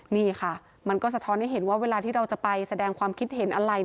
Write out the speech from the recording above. นี่ค่ะมันก็สะท้อนให้เห็นว่าเวลาที่เราจะไปแสดงความคิดเห็นอะไร